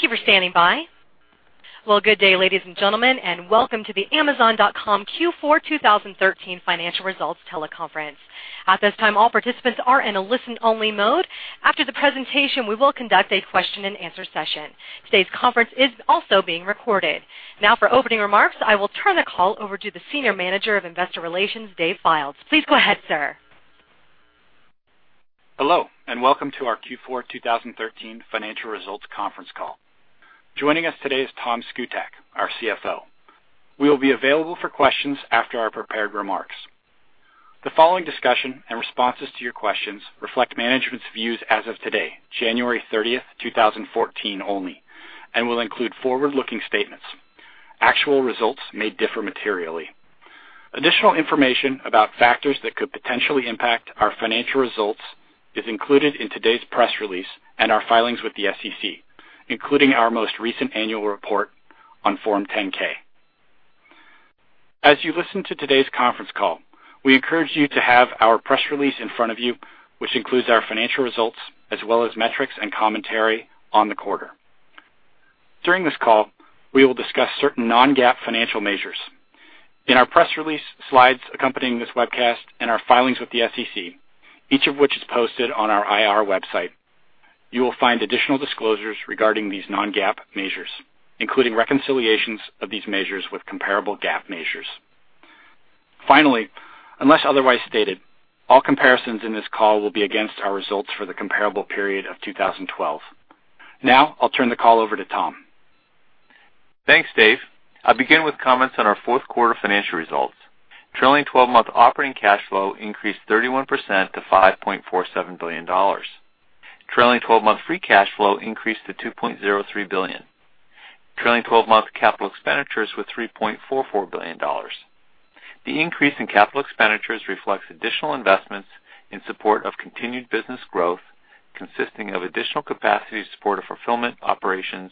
Thank you for standing by. Good day, ladies and gentlemen, and welcome to the Amazon.com Q4 2013 financial results teleconference. At this time, all participants are in a listen-only mode. After the presentation, we will conduct a question and answer session. Today's conference is also being recorded. Now for opening remarks, I will turn the call over to the Senior Manager of Investor Relations, Dave Fildes. Please go ahead, sir. Hello, and welcome to our Q4 2013 financial results conference call. Joining us today is Tom Szkutak, our CFO. We will be available for questions after our prepared remarks. The following discussion and responses to your questions reflect management's views as of today, January 30th, 2014 only, and will include forward-looking statements. Actual results may differ materially. Additional information about factors that could potentially impact our financial results is included in today's press release and our filings with the SEC, including our most recent annual report on Form 10-K. As you listen to today's conference call, we encourage you to have our press release in front of you, which includes our financial results as well as metrics and commentary on the quarter. During this call, we will discuss certain non-GAAP financial measures. In our press release, slides accompanying this webcast, and our filings with the SEC, each of which is posted on our IR website, you will find additional disclosures regarding these non-GAAP measures, including reconciliations of these measures with comparable GAAP measures. Finally, unless otherwise stated, all comparisons in this call will be against our results for the comparable period of 2012. Now, I'll turn the call over to Tom. Thanks, Dave. I'll begin with comments on our fourth quarter financial results. Trailing 12-month operating cash flow increased 31% to $5.47 billion. Trailing 12-month free cash flow increased to $2.03 billion. Trailing 12-month capital expenditures were $3.44 billion. The increase in capital expenditures reflects additional investments in support of continued business growth, consisting of additional capacity to support our fulfillment operations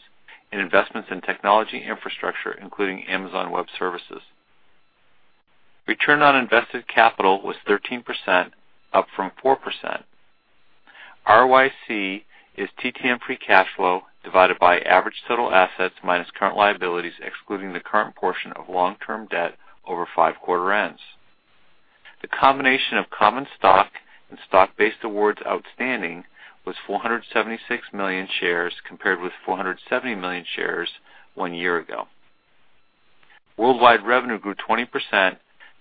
and investments in technology infrastructure, including Amazon Web Services. Return on invested capital was 13%, up from 4%. ROIC is TTM free cash flow divided by average total assets minus current liabilities, excluding the current portion of long-term debt over five quarter ends. The combination of common stock and stock-based awards outstanding was 476 million shares, compared with 470 million shares one year ago. Worldwide revenue grew 20%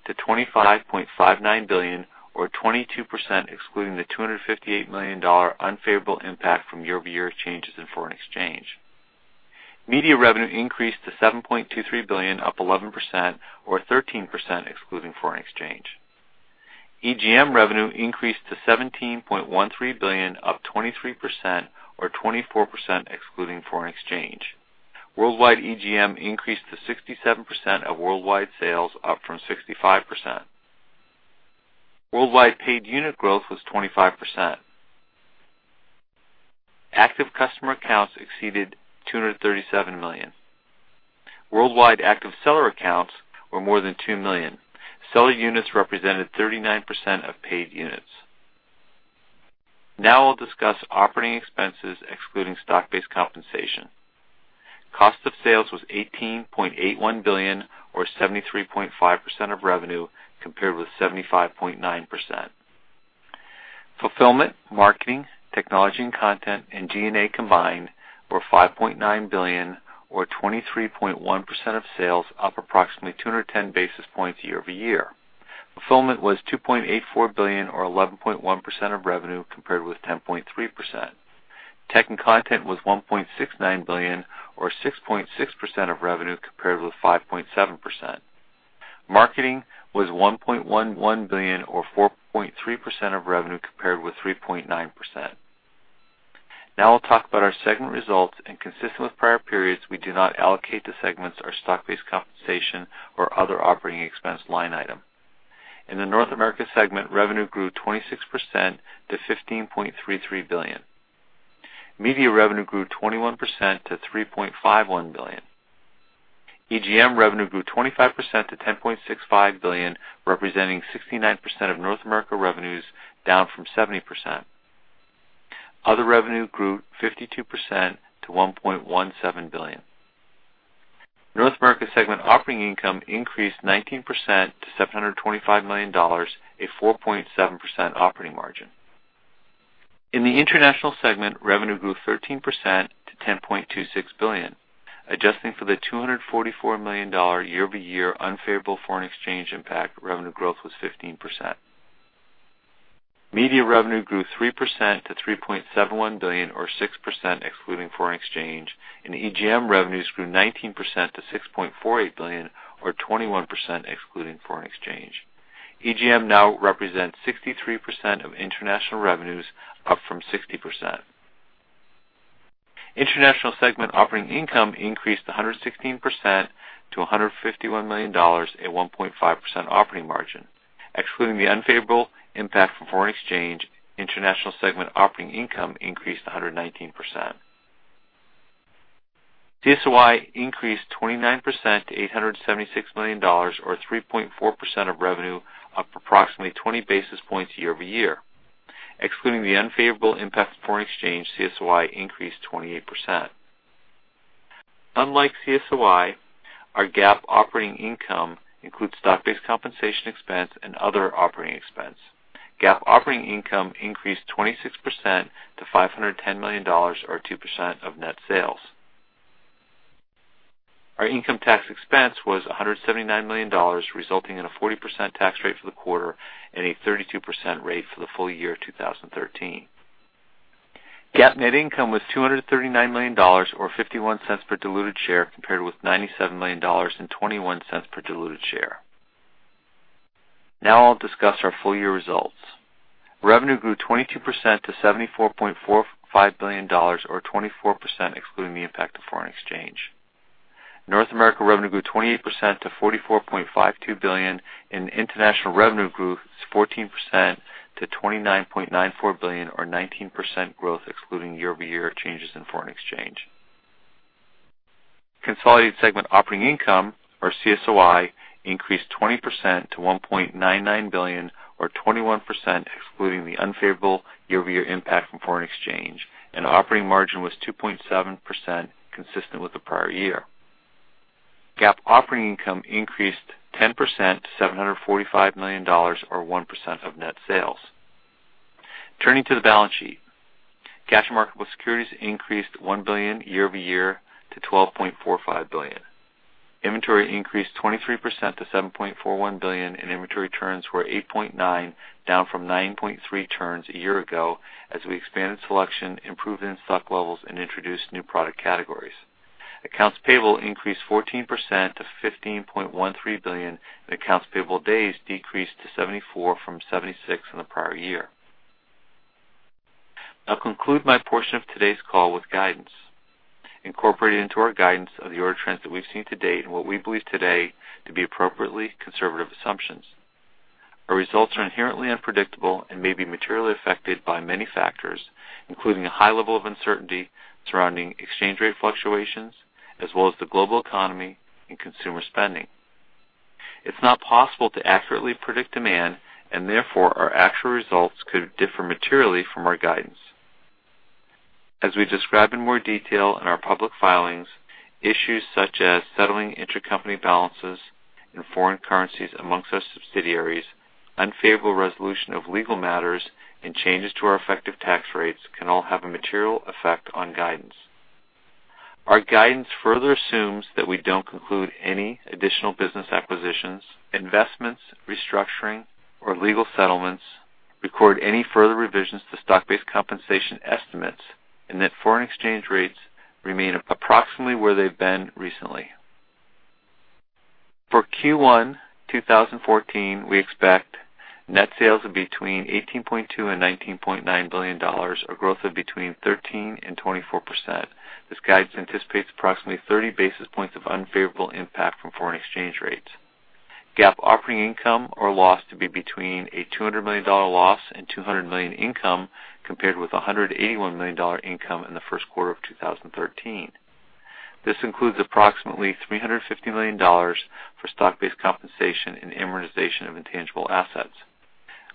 to $25.59 billion, or 22% excluding the $258 million unfavorable impact from year-over-year changes in foreign exchange. Media revenue increased to $7.23 billion, up 11%, or 13% excluding foreign exchange. EGM revenue increased to $17.13 billion, up 23%, or 24% excluding foreign exchange. Worldwide EGM increased to 67% of worldwide sales, up from 65%. Worldwide paid unit growth was 25%. Active customer accounts exceeded 237 million. Worldwide active seller accounts were more than 2 million. Seller units represented 39% of paid units. I'll discuss operating expenses excluding stock-based compensation. Cost of sales was $18.81 billion, or 73.5% of revenue, compared with 75.9%. Fulfillment, marketing, technology and content, and G&A combined were $5.9 billion, or 23.1% of sales, up approximately 210 basis points year-over-year. Fulfillment was $2.84 billion or 11.1% of revenue, compared with 10.3%. Tech and content was $1.69 billion or 6.6% of revenue, compared with 5.7%. Marketing was $1.11 billion or 4.3% of revenue, compared with 3.9%. I'll talk about our segment results. Consistent with prior periods, we do not allocate to segments our stock-based compensation or other operating expense line item. In the North America segment, revenue grew 26% to $15.33 billion. Media revenue grew 21% to $3.51 billion. EGM revenue grew 25% to $10.65 billion, representing 69% of North America revenues, down from 70%. Other revenue grew 52% to $1.17 billion. North America segment operating income increased 19% to $725 million, a 4.7% operating margin. In the International segment, revenue grew 13% to $10.26 billion. Adjusting for the $244 million year-over-year unfavorable foreign exchange impact, revenue growth was 15%. Media revenue grew 3% to $3.71 billion, or 6% excluding foreign exchange. EGM revenues grew 19% to $6.48 billion, or 21% excluding foreign exchange. EGM now represents 63% of international revenues, up from 60%. International segment operating income increased 116% to $151 million at 1.5% operating margin. Excluding the unfavorable impact from foreign exchange, International segment operating income increased 119%. CSOI increased 29% to $876 million or 3.4% of revenue, up approximately 20 basis points year-over-year. Excluding the unfavorable impact of foreign exchange, CSOI increased 28%. Unlike CSOI, our GAAP operating income includes stock-based compensation expense and other operating expense. GAAP operating income increased 26% to $510 million or 2% of net sales. Our income tax expense was $179 million, resulting in a 40% tax rate for the quarter and a 32% rate for the full year of 2013. GAAP net income was $239 million or $0.51 per diluted share compared with $97 million and $0.21 per diluted share. I'll discuss our full-year results. Revenue grew 22% to $74.45 billion or 24% excluding the impact of foreign exchange. North America revenue grew 28% to $44.52 billion. International revenue grew 14% to $29.94 billion or 19% growth excluding year-over-year changes in foreign exchange. Consolidated segment operating income or CSOI increased 20% to $1.99 billion or 21% excluding the unfavorable year-over-year impact from foreign exchange. Operating margin was 2.7% consistent with the prior year. GAAP operating income increased 10% to $745 million or 1% of net sales. Turning to the balance sheet. Cash and marketable securities increased $1 billion year-over-year to $12.45 billion. Inventory increased 23% to $7.41 billion. Inventory turns were 8.9, down from 9.3 turns a year ago as we expanded selection, improved in-stock levels and introduced new product categories. Accounts payable increased 14% to $15.13 billion. Accounts payable days decreased to 74 from 76 in the prior year. I'll conclude my portion of today's call with guidance. Incorporated into our guidance are the order trends that we've seen to date and what we believe today to be appropriately conservative assumptions. Our results are inherently unpredictable and may be materially affected by many factors, including a high level of uncertainty surrounding exchange rate fluctuations as well as the global economy and consumer spending. It's not possible to accurately predict demand and therefore our actual results could differ materially from our guidance. As we describe in more detail in our public filings, issues such as settling intercompany balances in foreign currencies amongst our subsidiaries, unfavorable resolution of legal matters and changes to our effective tax rates can all have a material effect on guidance. Our guidance further assumes that we don't conclude any additional business acquisitions, investments, restructuring or legal settlements, record any further revisions to stock-based compensation estimates and that foreign exchange rates remain approximately where they've been recently. For Q1 2014, we expect net sales of between $18.2 billion and $19.9 billion or growth of between 13% and 24%. This guidance anticipates approximately 30 basis points of unfavorable impact from foreign exchange rates. GAAP operating income or loss to be between a $200 million loss and $200 million income compared with $181 million income in the first quarter of 2013. This includes approximately $350 million for stock-based compensation and amortization of intangible assets.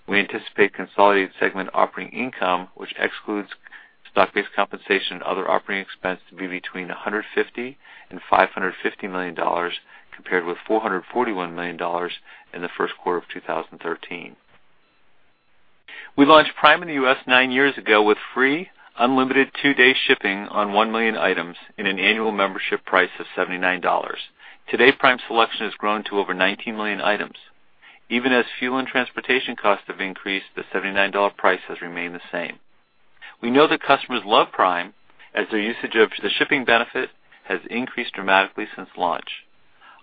We anticipate Consolidated Segment Operating Income, which excludes stock-based compensation and other operating expense to be between $150 million and $550 million compared with $441 million in the first quarter of 2013. We launched Prime in the U.S. nine years ago with free unlimited two-day shipping on one million items and an annual membership price of $79. Today, Prime selection has grown to over 19 million items. Even as fuel and transportation costs have increased, the $79 price has remained the same. We know that customers love Prime as their usage of the shipping benefit has increased dramatically since launch.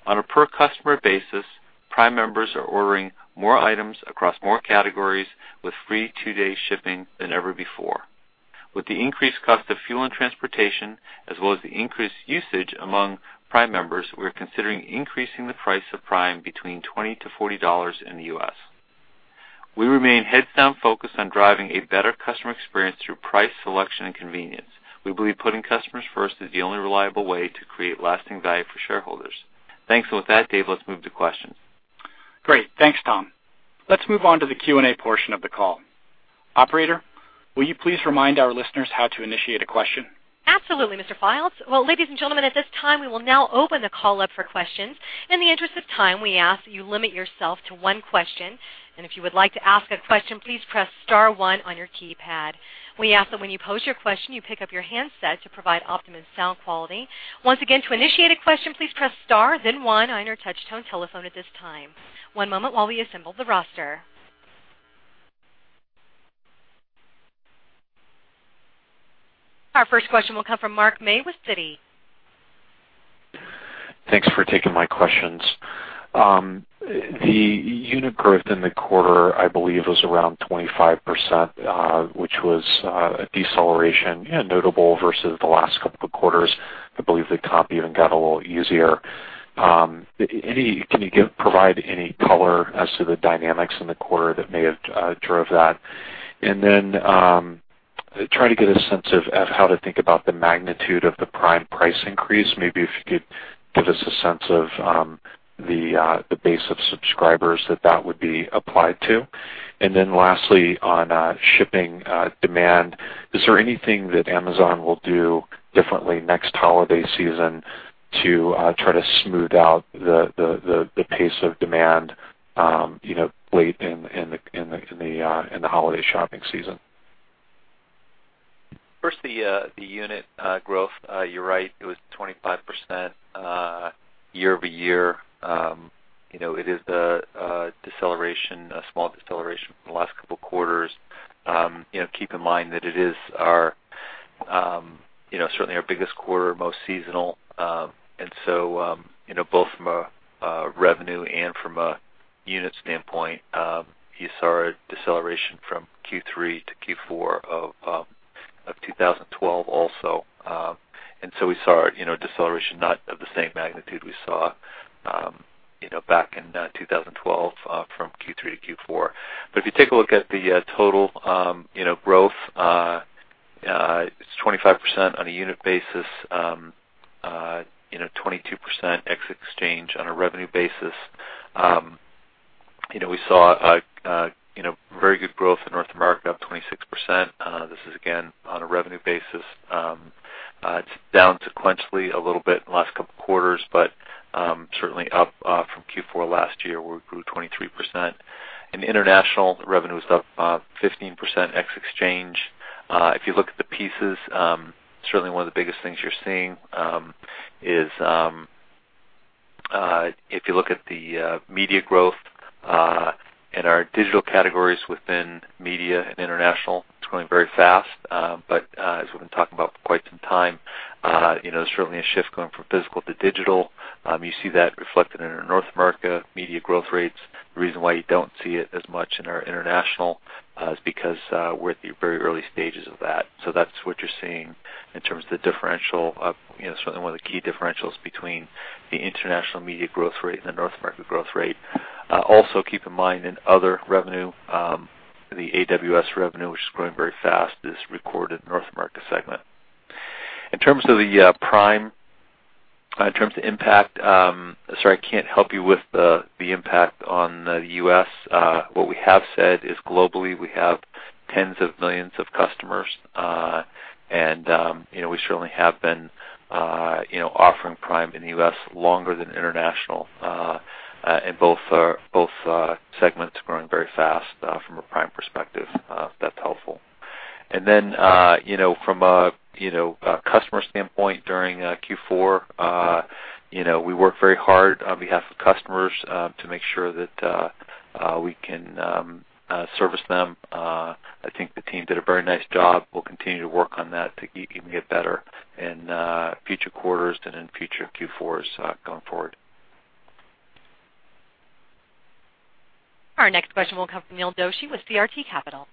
On a per customer basis, Prime members are ordering more items across more categories with free two-day shipping than ever before. With the increased cost of fuel and transportation as well as the increased usage among Prime members, we are considering increasing the price of Prime between $20 to $40 in the U.S. We remain heads down focused on driving a better customer experience through price selection and convenience. We believe putting customers first is the only reliable way to create lasting value for shareholders. Thanks. With that, Dave, let's move to questions. Great. Thanks, Tom. Let's move on to the Q&A portion of the call. Operator, will you please remind our listeners how to initiate a question? Absolutely, Mr. Fildes. Well, ladies and gentlemen, at this time we will now open the call up for questions. In the interest of time, we ask that you limit yourself to one question. If you would like to ask a question, please press star one on your keypad. We ask that when you pose your question, you pick up your handset to provide optimum sound quality. Once again, to initiate a question, please press star then one on your touchtone telephone at this time. One moment while we assemble the roster. Our first question will come from Mark May with Citi. Thanks for taking my questions. The unit growth in the quarter, I believe, was around 25%, which was a deceleration notable versus the last couple of quarters. I believe the comp even got a little easier. Can you provide any color as to the dynamics in the quarter that may have drove that? Try to get a sense of how to think about the magnitude of the Prime price increase. Maybe if you could give us a sense of the base of subscribers that would be applied to. Lastly, on shipping demand, is there anything that Amazon will do differently next holiday season to try to smooth out the pace of demand late in the holiday shopping season? First, the unit growth. You're right, it was 25% year-over-year. It is a small deceleration from the last couple of quarters. Keep in mind that it is certainly our biggest quarter, most seasonal. Both from a revenue and from a unit standpoint, you saw a deceleration from Q3 to Q4 of 2012 also. We saw a deceleration, not of the same magnitude we saw back in 2012 from Q3 to Q4. If you take a look at the total growth, it's 25% on a unit basis, 22% ex exchange on a revenue basis. We saw very good growth in North America, up 26%. This is, again, on a revenue basis. It's down sequentially a little bit in the last couple of quarters, but certainly up from Q4 last year, where we grew 23%. In International, revenue was up 15% ex exchange. If you look at the pieces, certainly one of the biggest things you're seeing is if you look at the media growth in our digital categories within media and International, it's growing very fast. As we've been talking about for quite some time, certainly a shift going from physical to digital. You see that reflected in our North America media growth rates. The reason why you don't see it as much in our International is because we're at the very early stages of that. That's what you're seeing in terms of the differential, certainly one of the key differentials between the International media growth rate and the North America growth rate. Also keep in mind, in other revenue, the AWS revenue, which is growing very fast, is recorded in North America segment. In terms of the Prime, in terms of impact, sorry, I can't help you with the impact on the U.S. What we have said is globally, we have tens of millions of customers. We certainly have been offering Prime in the U.S. longer than International. Both segments are growing very fast from a Prime perspective, if that's helpful. From a customer standpoint during Q4, we work very hard on behalf of customers to make sure that we can service them. I think the team did a very nice job. We'll continue to work on that to even get better in future quarters and in future Q4s going forward. Our next question will come from Neil Doshi with CRT Capital.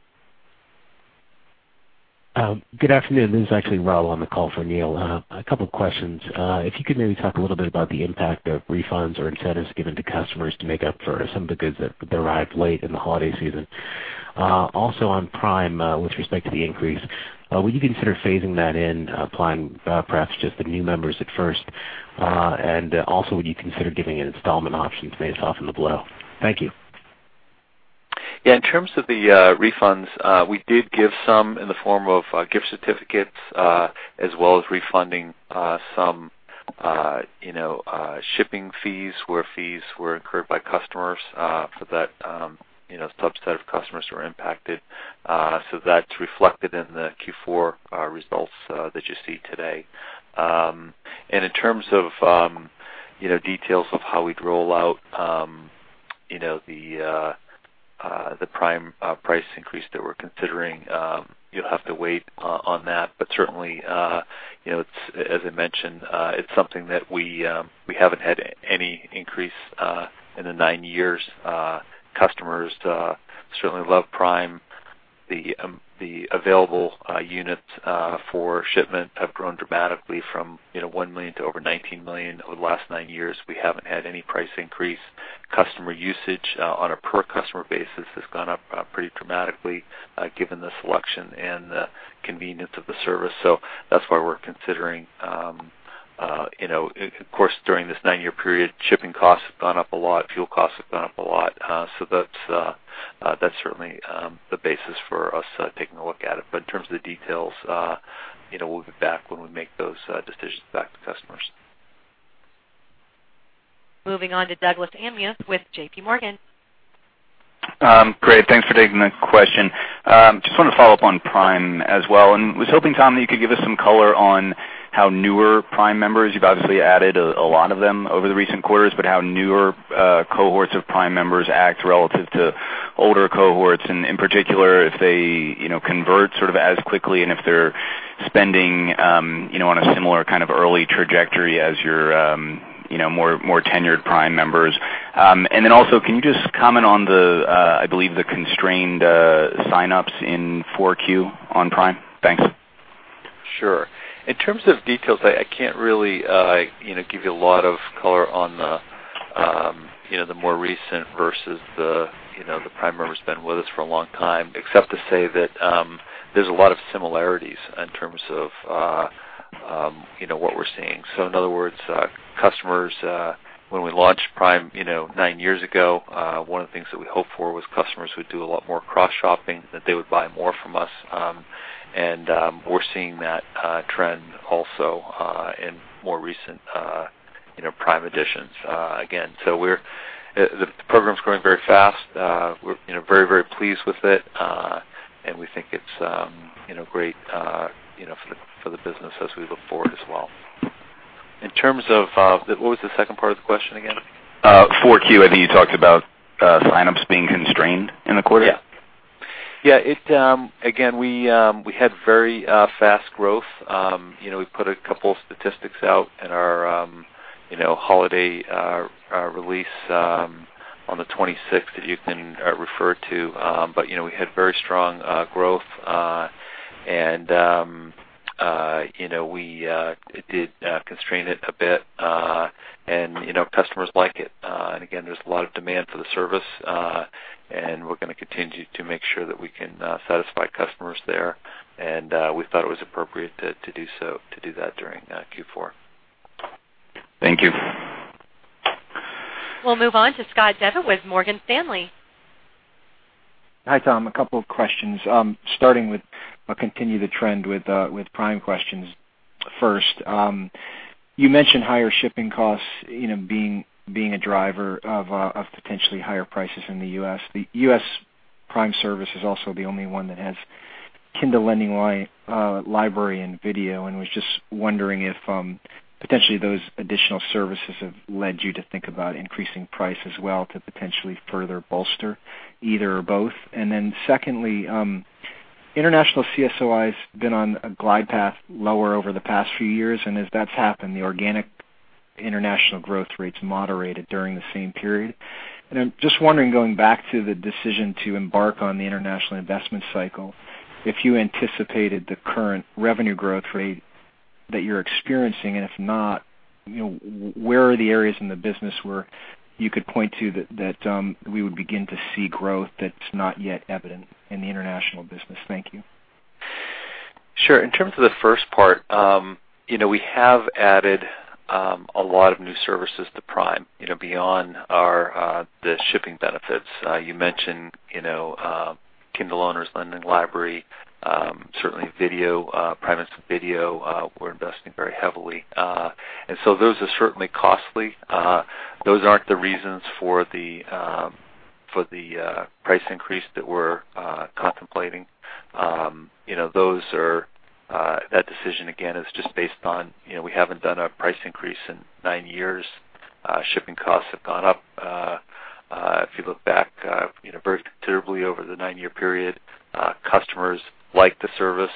Good afternoon. This is actually Raul on the call for Neil. A couple of questions. If you could maybe talk a little bit about the impact of refunds or incentives given to customers to make up for some of the goods that arrived late in the holiday season. Also on Prime, with respect to the increase, would you consider phasing that in, applying perhaps just the new members at first? Would you consider giving an installment option to pay it off in the below? Thank you. In terms of the refunds, we did give some in the form of gift certificates, as well as refunding some shipping fees where fees were incurred by customers for that subset of customers who were impacted. That's reflected in the Q4 results that you see today. In terms of details of how we'd roll out the Prime price increase that we're considering, you'll have to wait on that. Certainly, as I mentioned, it's something that we haven't had any increase in the nine years. Customers certainly love Prime. The available units for shipment have grown dramatically from one million to over 19 million over the last nine years. We haven't had any price increase. Customer usage on a per-customer basis has gone up pretty dramatically given the selection and the convenience of the service. That's why we're considering. Of course, during this nine-year period, shipping costs have gone up a lot, fuel costs have gone up a lot. That's certainly the basis for us taking a look at it. In terms of the details, we'll get back when we make those decisions back to customers. Moving on to Doug Anmuth with J.P. Morgan. Great. Thanks for taking the question. Just wanted to follow up on Prime as well, was hoping, Tom, that you could give us some color on how newer Prime members, you've obviously added a lot of them over the recent quarters, but how newer cohorts of Prime members act relative to older cohorts, and in particular, if they convert sort of as quickly and if they're spending on a similar kind of early trajectory as your more tenured Prime members. Also, can you just comment on the, I believe, the constrained sign-ups in 4Q on Prime? Thanks. Sure. In terms of details, I can't really give you a lot of color on the more recent versus the Prime member who's been with us for a long time, except to say that there's a lot of similarities in terms of what we're seeing. In other words, customers, when we launched Prime nine years ago, one of the things that we hoped for was customers would do a lot more cross-shopping, that they would buy more from us. We're seeing that trend also in more recent Prime additions again. The program's growing very fast. We're very pleased with it, and we think it's great for the business as we look forward as well. In terms of, what was the second part of the question again? 4Q, I think you talked about sign-ups being constrained in the quarter. Yeah. Again, we had very fast growth. We put a couple statistics out in our holiday release on the 26th that you can refer to. We had very strong growth, and we did constrain it a bit. Customers like it. Again, there's a lot of demand for the service, and we're going to continue to make sure that we can satisfy customers there, and we thought it was appropriate to do that during Q4. Thank you. We'll move on to Scott Devitt with Morgan Stanley. Hi, Tom. A couple of questions, starting with, I'll continue the trend with Prime questions first. You mentioned higher shipping costs being a driver of potentially higher prices in the U.S. The U.S. Prime service is also the only one that has Kindle Lending Library and Video, was just wondering if potentially those additional services have led you to think about increasing price as well to potentially further bolster either or both. Secondly, international CSOI's been on a glide path lower over the past few years, as that's happened, the organic international growth rate's moderated during the same period. I'm just wondering, going back to the decision to embark on the international investment cycle, if you anticipated the current revenue growth rate that you're experiencing, and if not, where are the areas in the business where you could point to that we would begin to see growth that's not yet evident in the international business? Thank you. Sure. In terms of the first part, we have added a lot of new services to Prime, beyond the shipping benefits. You mentioned Kindle Owners' Lending Library, certainly Prime Instant Video, we're investing very heavily. Those are certainly costly. Those aren't the reasons for the price increase that we're contemplating. That decision, again, is just based on, we haven't done a price increase in nine years. Shipping costs have gone up, if you look back very considerably over the nine-year period. Customers like the service.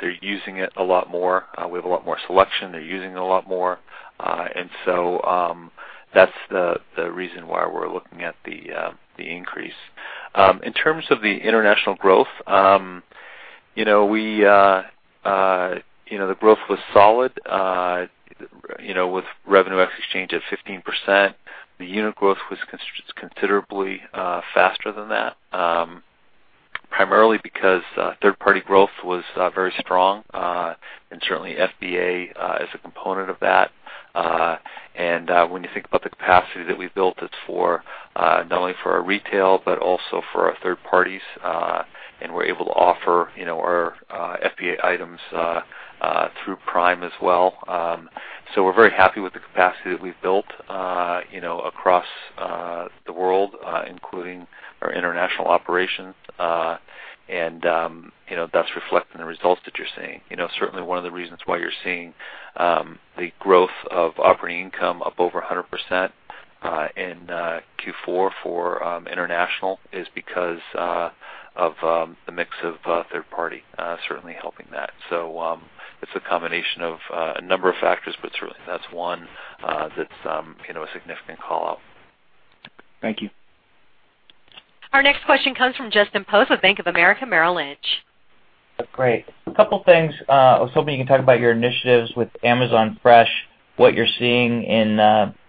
They're using it a lot more. We have a lot more selection. They're using it a lot more. That's the reason why we're looking at the increase. In terms of the international growth, the growth was solid with revenue exchange of 15%. The unit growth was considerably faster than that, primarily because third-party growth was very strong, and certainly FBA is a component of that. When you think about the capacity that we built, it's not only for our retail, but also for our third parties, and we're able to offer our FBA items through Prime as well. We're very happy with the capacity that we've built across the world, including our international operations. That's reflected in the results that you're seeing. Certainly one of the reasons why you're seeing the growth of operating income up over 100% in Q4 for international is because of the mix of third party certainly helping that. It's a combination of a number of factors, but certainly that's one that's a significant call-out. Thank you. Our next question comes from Justin Post with Bank of America Merrill Lynch. Great. A couple things. I was hoping you could talk about your initiatives with Amazon Fresh, what you're seeing in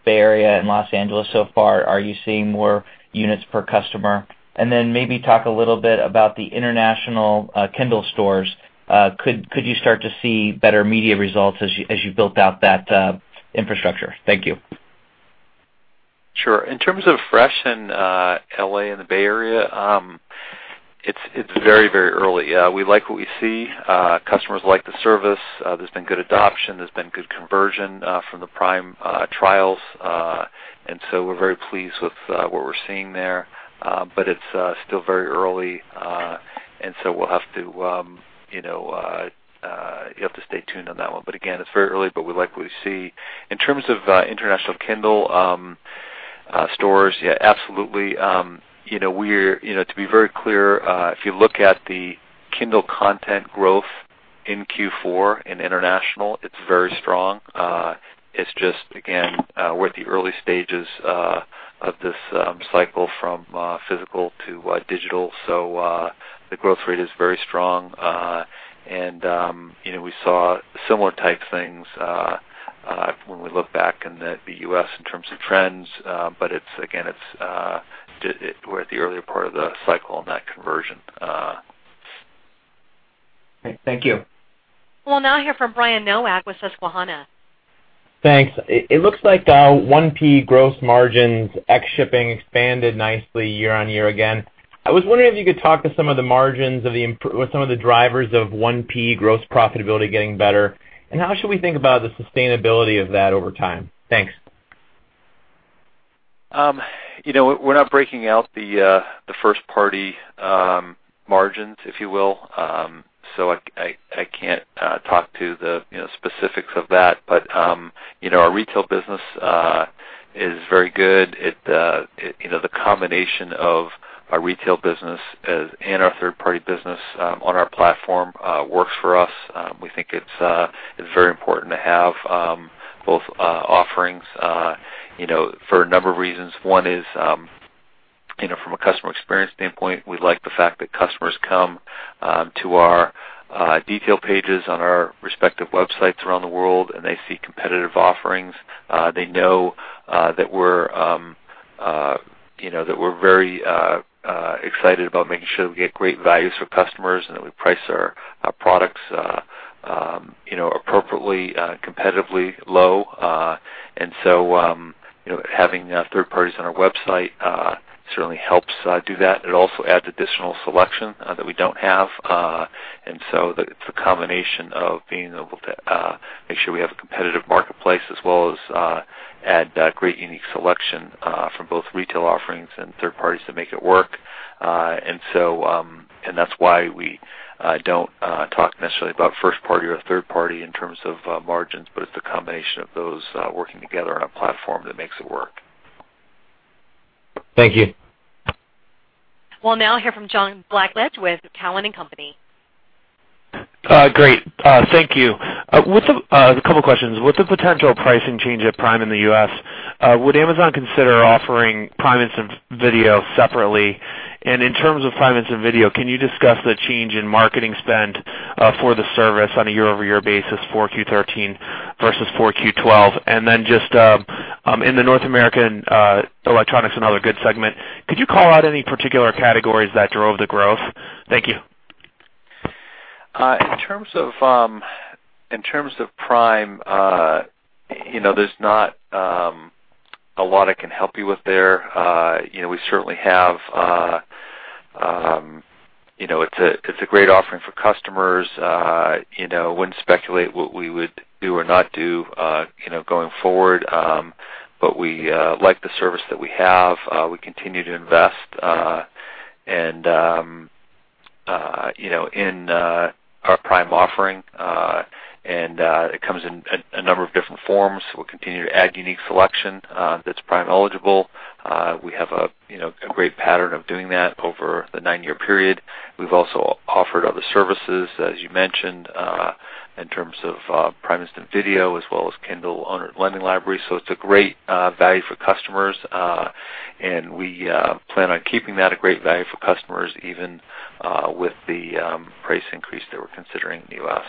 Bay Area and Los Angeles so far. Are you seeing more units per customer? Maybe talk a little bit about the international Kindle stores. Could you start to see better media results as you built out that infrastructure? Thank you. Sure. In terms of Fresh in L.A. and the Bay Area, it's very early. We like what we see. Customers like the service. There's been good adoption. There's been good conversion from the Prime trials. We're very pleased with what we're seeing there. It's still very early, you'll have to stay tuned on that one. Again, it's very early, but we like what we see. In terms of international Kindle stores, yeah, absolutely. To be very clear, if you look at the Kindle content growth in Q4 in international, it's very strong. It's just, again, we're at the early stages of this cycle from physical to digital. The growth rate is very strong. We saw similar type things When we look back in the U.S. in terms of trends, again, we're at the earlier part of the cycle in that conversion. Great. Thank you. We'll now hear from Brian Nowak with Susquehanna. Thanks. It looks like 1P gross margins, ex shipping expanded nicely year-over-year again. I was wondering if you could talk to some of the margins of some of the drivers of 1P gross profitability getting better, and how should we think about the sustainability of that over time? Thanks. We're not breaking out the first-party margins, if you will. I can't talk to the specifics of that. Our retail business is very good. The combination of our retail business and our third-party business on our platform works for us. We think it's very important to have both offerings for a number of reasons. One is from a customer experience standpoint, we like the fact that customers come to our detail pages on our respective websites around the world, and they see competitive offerings. They know that we're very excited about making sure that we get great values for customers and that we price our products appropriately, competitively low. Having third parties on our website certainly helps do that. It also adds additional selection that we don't have. It's a combination of being able to make sure we have a competitive marketplace as well as add great unique selection from both retail offerings and third parties that make it work. That's why we don't talk necessarily about first party or third party in terms of margins, but it's the combination of those working together on a platform that makes it work. Thank you. We'll now hear from John Blackledge with Cowen and Company. Great. Thank you. A couple of questions. What's the potential pricing change at Prime in the U.S.? Would Amazon consider offering Prime Instant Video separately? In terms of Prime Instant Video, can you discuss the change in marketing spend for the service on a year-over-year basis 4Q13 versus 4Q12? Just in the North American Electronics and Other Goods segment, could you call out any particular categories that drove the growth? Thank you. In terms of Prime, there's not a lot I can help you with there. It's a great offering for customers. Wouldn't speculate what we would do or not do going forward. We like the service that we have. We continue to invest in our Prime offering, and it comes in a number of different forms. We'll continue to add unique selection that's Prime eligible. We have a great pattern of doing that over the nine-year period. We've also offered other services, as you mentioned, in terms of Prime Instant Video as well as Kindle Lending Library. It's a great value for customers, and we plan on keeping that a great value for customers, even with the price increase that we're considering in the U.S.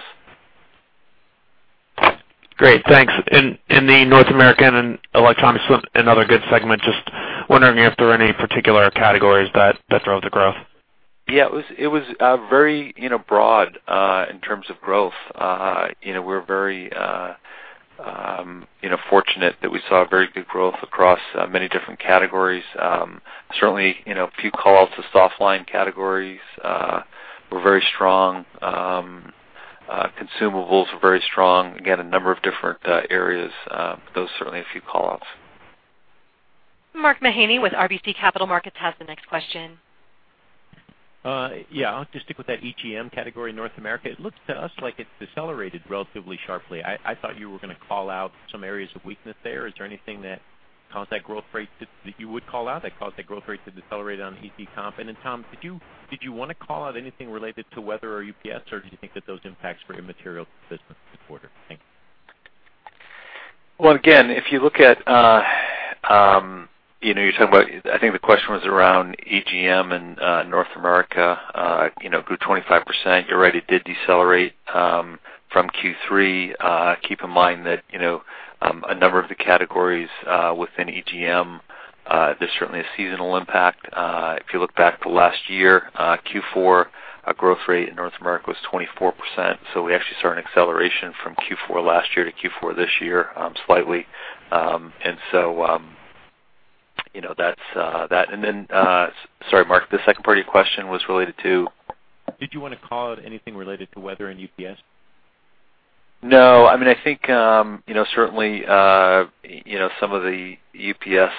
Great. Thanks. In the North American and Electronics and Other Goods segment, just wondering if there were any particular categories that drove the growth. Yeah, it was very broad in terms of growth. We're very fortunate that we saw very good growth across many different categories. Certainly, a few call outs to soft line categories were very strong. Consumables were very strong. Again, a number of different areas. Those are certainly a few call outs. Mark Mahaney with RBC Capital Markets has the next question. Yeah, I'll just stick with that EGM category in North America. It looks to us like it decelerated relatively sharply. I thought you were going to call out some areas of weakness there. Is there anything that caused that growth rate that you would call out that caused that growth rate to decelerate on EC comp? And then Tom, did you want to call out anything related to weather or UPS, or did you think that those impacts were immaterial to the business this quarter? Thanks. Well, again, I think the question was around EGM in North America. Grew 25%. You're right, it did decelerate from Q3. Keep in mind that a number of the categories within EGM, there's certainly a seasonal impact. If you look back to last year, Q4 growth rate in North America was 24%. We actually saw an acceleration from Q4 last year to Q4 this year slightly. And then, sorry, Mark, the second part of your question was related to? Did you want to call out anything related to weather and UPS? No. I think certainly some of the UPS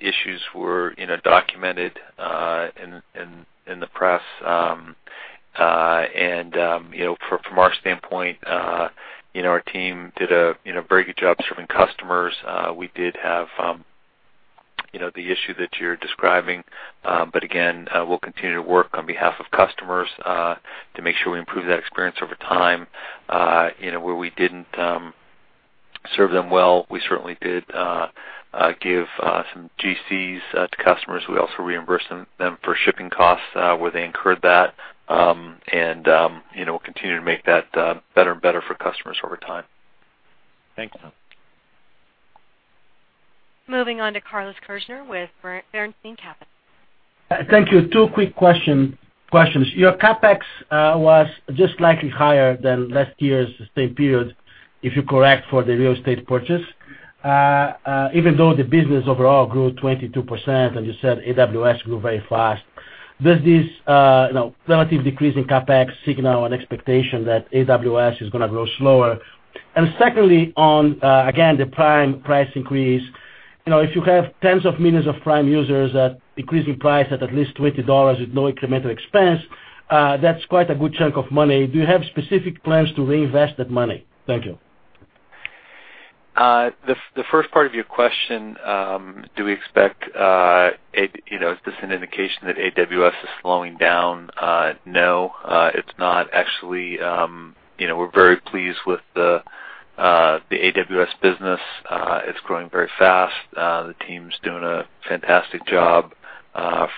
issues were documented in the press. From our standpoint, our team did a very good job serving customers. We did have the issue that you're describing. Again, we'll continue to work on behalf of customers to make sure we improve that experience over time where we didn't serve them well. We certainly did give some GCs to customers. We also reimburse them for shipping costs where they incurred that, and we'll continue to make that better and better for customers over time. Thanks. Moving on to Carlos Kirjner with Bernstein Capital. Thank you. Two quick questions. Your CapEx was just slightly higher than last year's same period, if you correct for the real estate purchase, even though the business overall grew 22%, and you said AWS grew very fast. Does this relative decrease in CapEx signal an expectation that AWS is going to grow slower? Secondly, on, again, the Prime price increase. If you have tens of millions of Prime users that increasing price at least $20 with no incremental expense, that's quite a good chunk of money. Do you have specific plans to reinvest that money? Thank you. The first part of your question, do we expect, is this an indication that AWS is slowing down? No. It's not actually. We're very pleased with the AWS business. It's growing very fast. The team's doing a fantastic job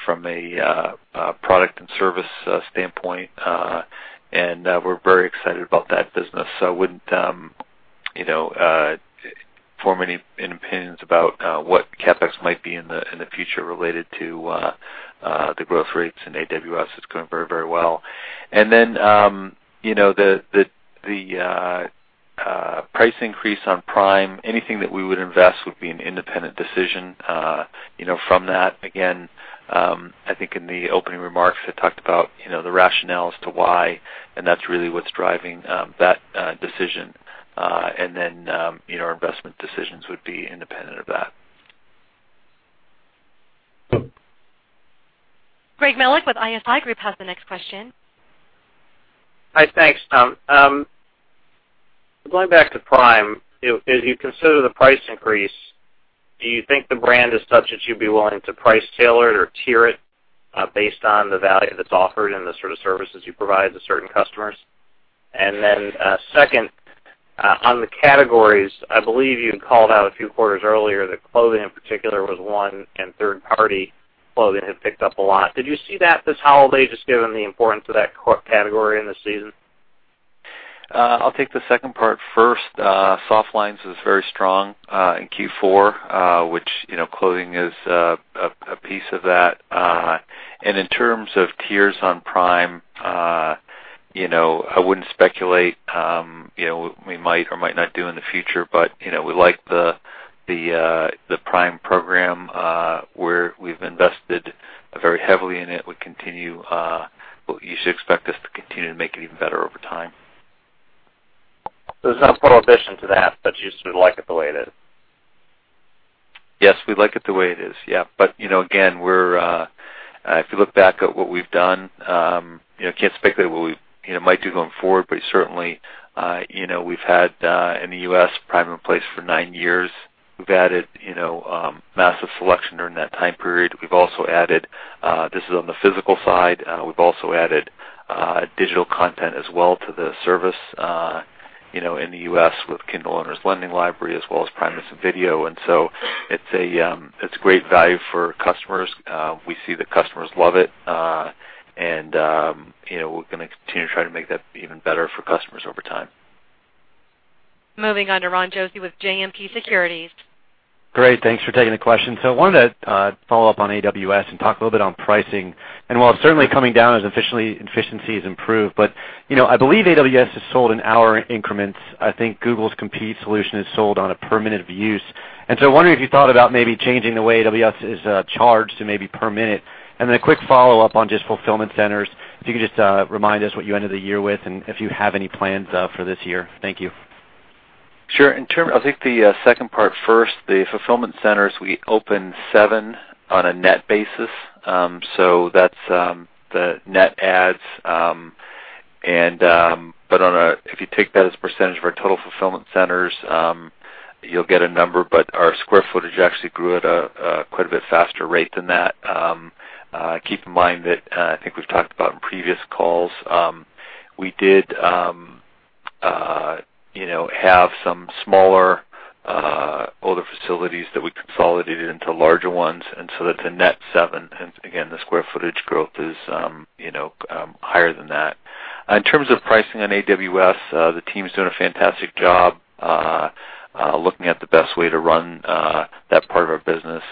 from a product and service standpoint. We're very excited about that business. I wouldn't form any opinions about what CapEx might be in the future related to the growth rates in AWS. It's going very well. The price increase on Prime, anything that we would invest would be an independent decision from that. Again, I think in the opening remarks, I talked about the rationale as to why, and that's really what's driving that decision. Our investment decisions would be independent of that. Gregory Melich with ISI Group has the next question. Hi, thanks. Going back to Prime, as you consider the price increase, do you think the brand is such that you'd be willing to price tailor it or tier it based on the value that's offered and the sort of services you provide to certain customers? Second, on the categories, I believe you had called out a few quarters earlier that clothing in particular was one, and third-party clothing had picked up a lot. Did you see that this holiday, just given the importance of that category in this season? I'll take the second part first. Soft lines was very strong in Q4, which clothing is a piece of that. In terms of tiers on Prime, I wouldn't speculate what we might or might not do in the future. We like the Prime program where we've invested very heavily in it. You should expect us to continue to make it even better over time. There's no prohibition to that, but you just would like it the way it is. Yes, we like it the way it is. Yeah. Again, if you look back at what we've done, I can't speculate what we might do going forward, but certainly, we've had in the U.S. Prime in place for nine years. We've added massive selection during that time period. This is on the physical side. We've also added digital content as well to the service in the U.S. with Kindle Owners' Lending Library, as well as Prime Instant Video. It's great value for customers. We see that customers love it. We're going to continue to try to make that even better for customers over time. Moving on to Ronald Josey with JMP Securities. Great. Thanks for taking the question. I wanted to follow up on AWS and talk a little bit on pricing. While it's certainly coming down as efficiency has improved, but I believe AWS is sold in hour increments. I think Google's compete solution is sold on a per minute of use. I wonder if you thought about maybe changing the way AWS is charged to maybe per minute. Then a quick follow-up on just fulfillment centers, if you could just remind us what you ended the year with and if you have any plans for this year. Thank you. Sure. I'll take the second part first. The fulfillment centers, we opened seven on a net basis. That's the net adds. If you take that as a percentage of our total fulfillment centers, you'll get a number, but our square footage actually grew at a quite a bit faster rate than that. Keep in mind that I think we've talked about in previous calls, we did have some smaller older facilities that we consolidated into larger ones, that's a net seven. Again, the square footage growth is higher than that. In terms of pricing on AWS, the team's doing a fantastic job looking at the best way to run that part of our business.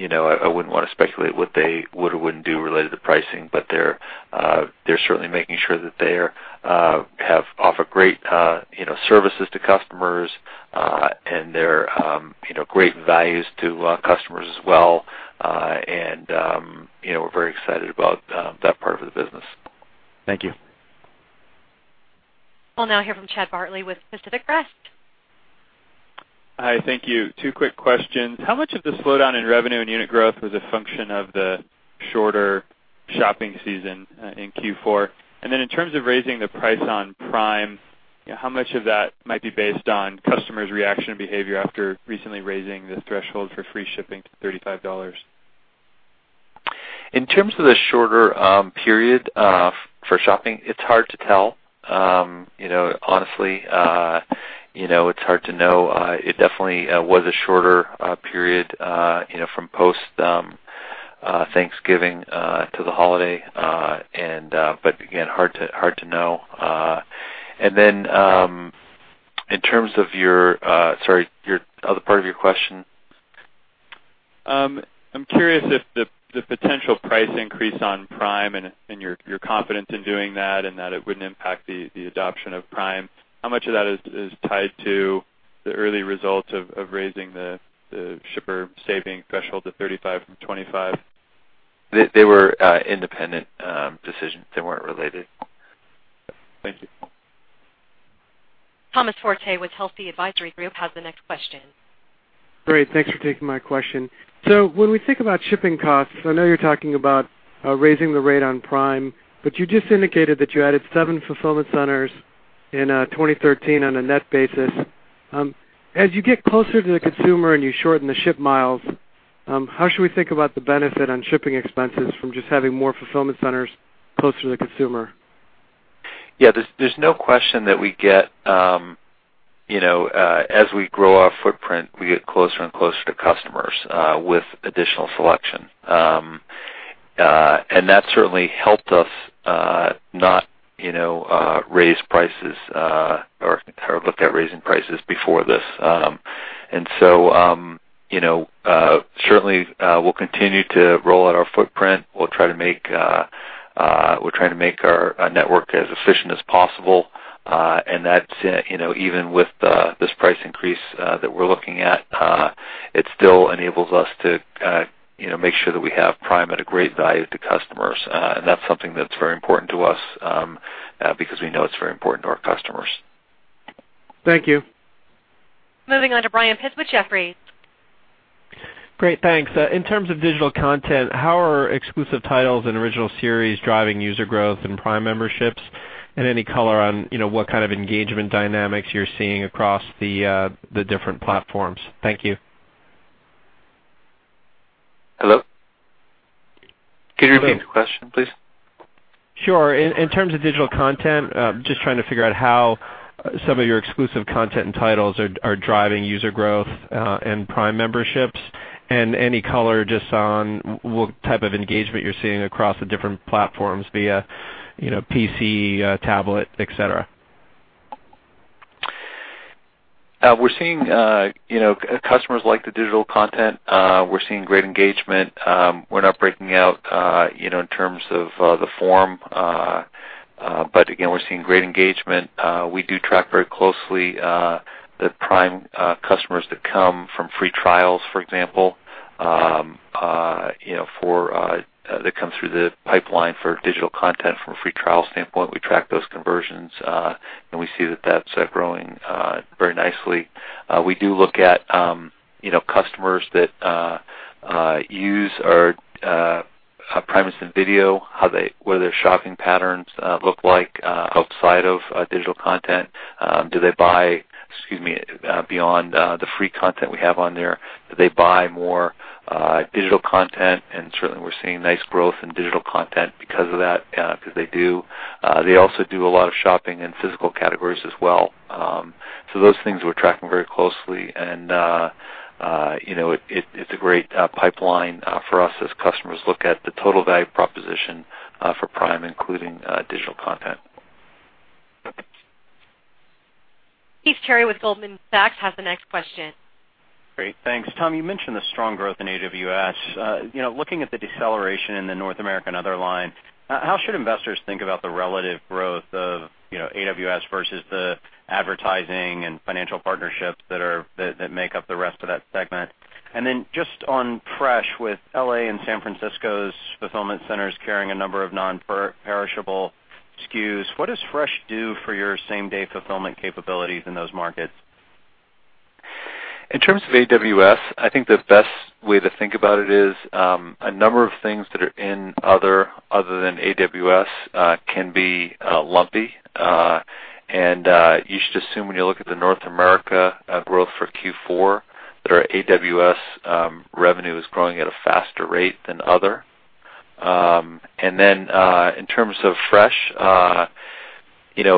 I wouldn't want to speculate what they would or wouldn't do related to pricing, but they're certainly making sure that they offer great services to customers, and they're great values to customers as well. We're very excited about that part of the business. Thank you. We'll now hear from Chad Bartley with Pacific Crest. Hi. Thank you. Two quick questions. How much of the slowdown in revenue and unit growth was a function of the shorter shopping season in Q4? In terms of raising the price on Prime, how much of that might be based on customers' reaction and behavior after recently raising the threshold for free shipping to $35? In terms of the shorter period for shopping, it's hard to tell. Honestly, it's hard to know. It definitely was a shorter period from post-Thanksgiving to the holiday, again, hard to know. In terms of the other part of your question. I'm curious if the potential price increase on Prime and your confidence in doing that, and that it wouldn't impact the adoption of Prime, how much of that is tied to the early results of raising the shipper saving threshold to $35 from $25? They were independent decisions. They weren't related. Thank you. Thomas Forte with Telsey Advisory Group has the next question. Great. Thanks for taking my question. When we think about shipping costs, I know you're talking about raising the rate on Prime, but you just indicated that you added seven fulfillment centers in 2013 on a net basis. As you get closer to the consumer and you shorten the ship miles, how should we think about the benefit on shipping expenses from just having more fulfillment centers closer to the consumer? Yeah, there's no question that as we grow our footprint, we get closer and closer to customers with additional selection. That certainly helped us not raise prices, or look at raising prices before this. Certainly, we'll continue to roll out our footprint. We'll try to make our network as efficient as possible. Even with this price increase that we're looking at, it still enables us to make sure that we have Prime at a great value to customers. That's something that's very important to us, because we know it's very important to our customers. Thank you. Moving on to Brian Pitz with Jefferies. Great. Thanks. In terms of digital content, how are exclusive titles and original series driving user growth and Prime memberships? Any color on what kind of engagement dynamics you're seeing across the different platforms. Thank you. Hello? Can you repeat the question, please? Sure. In terms of digital content, just trying to figure out how some of your exclusive content and titles are driving user growth and Prime memberships, and any color just on what type of engagement you're seeing across the different platforms via PC, tablet, et cetera. We're seeing customers like the digital content. We're seeing great engagement. We're not breaking out in terms of the form. Again, we're seeing great engagement. We do track very closely the Prime customers that come from free trials, for example, that come through the pipeline for digital content from a free trial standpoint. We track those conversions, and we see that that's growing very nicely. We do look at customers that use our Prime Instant Video, what their shopping patterns look like outside of digital content. Do they buy beyond the free content we have on there? Do they buy more digital content? Certainly, we're seeing nice growth in digital content because of that, because they do. They also do a lot of shopping in physical categories as well. Those things we're tracking very closely, and it's a great pipeline for us as customers look at the total value proposition for Prime, including digital content. Heath Terry with Goldman Sachs has the next question. Great. Thanks. Tom, you mentioned the strong growth in AWS. Looking at the deceleration in the North America and other line, how should investors think about the relative growth of AWS versus the advertising and financial partnerships that make up the rest of that segment? Just on Fresh, with L.A. and San Francisco's fulfillment centers carrying a number of non-perishable SKUs, what does Fresh do for your same-day fulfillment capabilities in those markets? In terms of AWS, I think the best way to think about it is a number of things that are in other than AWS can be lumpy. You should assume when you look at the North America growth for Q4, their AWS revenue is growing at a faster rate than other. In terms of Fresh, when you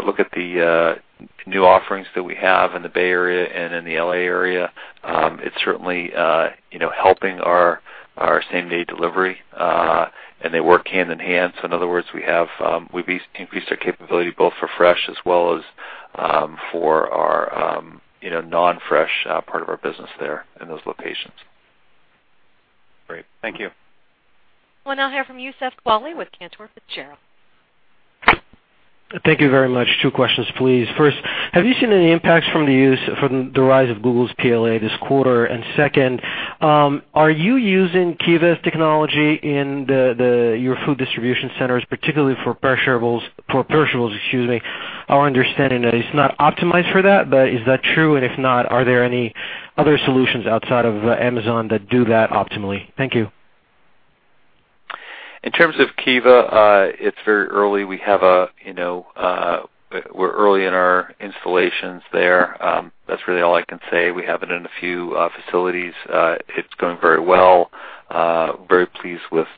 look at the new offerings that we have in the Bay Area and in the L.A. area, it's certainly helping our same-day delivery, and they work hand in hand. In other words, we've increased our capability both for Fresh as well as for our non-Fresh part of our business there in those locations. Great. Thank you. We'll now hear from you, Youssef Squali with Cantor Fitzgerald. Thank you very much. Two questions, please. First, have you seen any impacts from the rise of Google's PLA this quarter? Second, are you using Kiva's technology in your food distribution centers, particularly for perishables? Our understanding that it's not optimized for that, but is that true? If not, are there any other solutions outside of Amazon that do that optimally? Thank you. In terms of Kiva, it's very early. We're early in our installations there. That's really all I can say. We have it in a few facilities. It's going very well. Very pleased with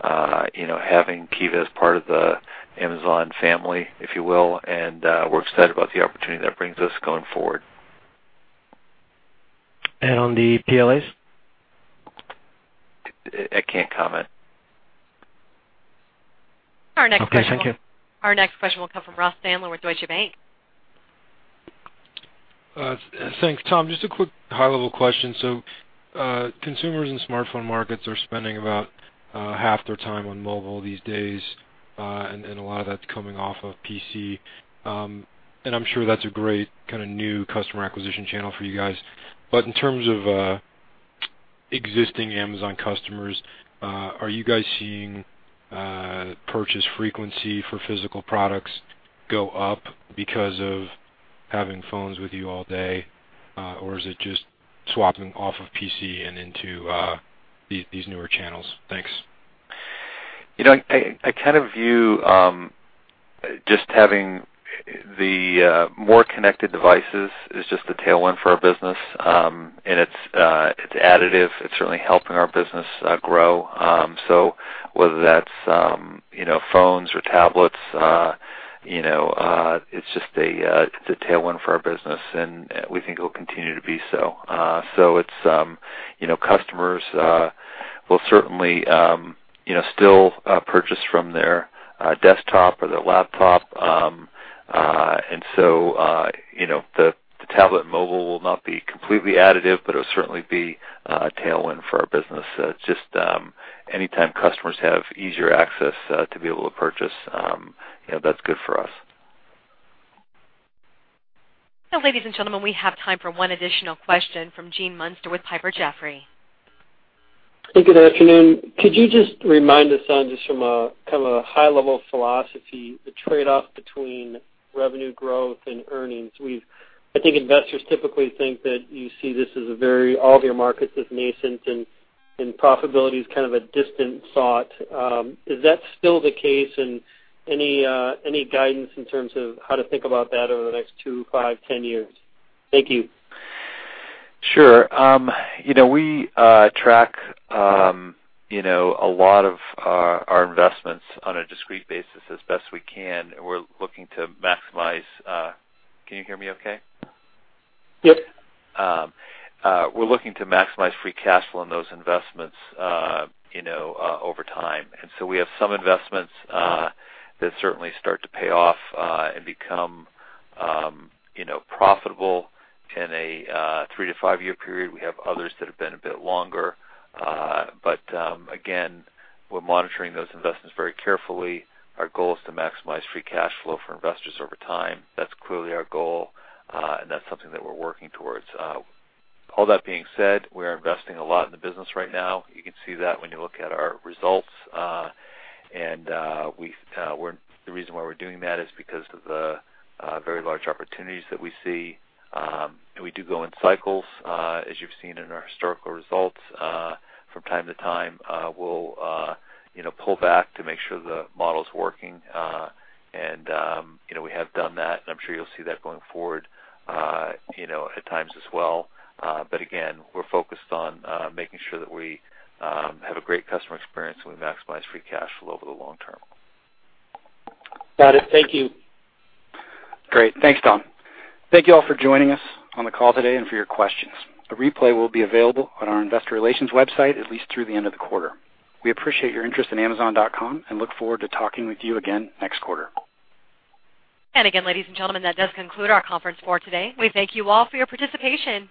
having Kiva as part of the Amazon family, if you will, and we're excited about the opportunity that brings us going forward. On the PLAs? I can't comment. Okay, thank you. Our next question will come from Ross Sandler with Deutsche Bank. Thanks. Tom, just a quick high-level question. Consumers in smartphone markets are spending about half their time on mobile these days, and a lot of that's coming off of PC. I'm sure that's a great kind of new customer acquisition channel for you guys. In terms of existing Amazon customers, are you guys seeing purchase frequency for physical products go up because of having phones with you all day? Or is it just swapping off of PC and into these newer channels? Thanks. I kind of view just having the more connected devices is just a tailwind for our business, and it's additive. It's certainly helping our business grow. Whether that's phones or tablets, it's a tailwind for our business, and we think it will continue to be so. Customers will certainly still purchase from their desktop or their laptop. The tablet mobile will not be completely additive, but it'll certainly be a tailwind for our business. Just anytime customers have easier access to be able to purchase, that's good for us. Ladies and gentlemen, we have time for one additional question from Gene Munster with Piper Jaffray. Good afternoon. Could you just remind us on, just from a kind of a high-level philosophy, the trade-off between revenue growth and earnings? I think investors typically think that you see all of your markets as nascent, and profitability is kind of a distant thought. Is that still the case, and any guidance in terms of how to think about that over the next two, five, 10 years? Thank you. Sure. We track a lot of our investments on a discrete basis as best we can, we're looking to maximize. Can you hear me okay? Yep. We're looking to maximize free cash flow on those investments over time. We have some investments that certainly start to pay off and become profitable in a three- to five-year period. We have others that have been a bit longer. Again, we're monitoring those investments very carefully. Our goal is to maximize free cash flow for investors over time. That's clearly our goal, and that's something that we're working towards. All that being said, we're investing a lot in the business right now. You can see that when you look at our results. The reason why we're doing that is because of the very large opportunities that we see. We do go in cycles, as you've seen in our historical results. From time to time, we'll pull back to make sure the model's working. We have done that, and I'm sure you'll see that going forward at times as well. Again, we're focused on making sure that we have a great customer experience, and we maximize free cash flow over the long term. Got it. Thank you. Great. Thanks, Tom. Thank you all for joining us on the call today and for your questions. A replay will be available on our investor relations website at least through the end of the quarter. We appreciate your interest in amazon.com and look forward to talking with you again next quarter. Again, ladies and gentlemen, that does conclude our conference for today. We thank you all for your participation.